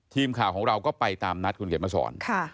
ทีมข่าวของเราก็ไปตามนัดคุณเขียนมาสอน